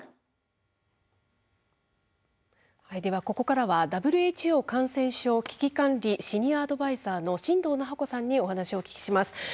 ここからはＷＨＯ感染症危機管理シニアアドバイザーの進藤奈邦子さんにお話をお聞きします。